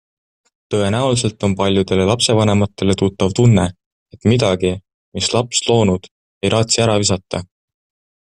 Tõenäoliselt on paljudele lapsevanematele tuttav tunne, et midagi, mis laps loonud, ei raatsi ära visata.